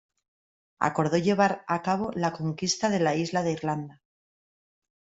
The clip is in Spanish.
Acordó llevar a cabo la Conquista de la isla de Irlanda.